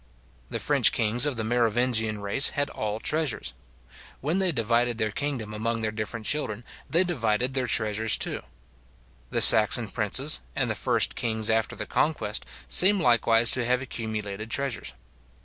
The French kings of the Merovingian race had all treasures. When they divided their kingdom among their different children, they divided their treasures too. The Saxon princes, and the first kings after the Conquest, seem likewise to have accumulated treasures.